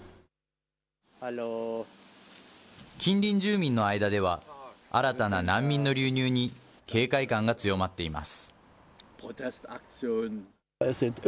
近隣住民の間では、新たな難民の流入に警戒感が強まっています。